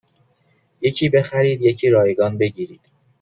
یکی بخرید یکی رایگان بگیرید